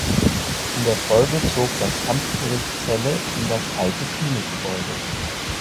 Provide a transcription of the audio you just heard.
In der Folge zog das Amtsgericht Celle in das alte Klinikgebäude.